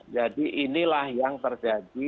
jadi inilah yang terjadi